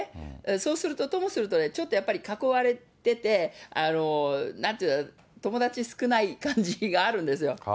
そうすると、ともするとね、ちょっとやっぱり囲われてて、なんて言うの、友達少ない感じがあるんですよ。